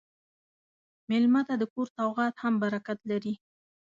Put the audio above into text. مېلمه ته د کور سوغات هم برکت لري.